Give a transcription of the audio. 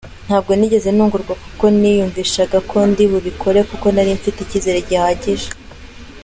Ntabwo nigeze ntungurwa kuko niyumvishaga ko ndi bubikore kuko nari mfite ikizere gihagije.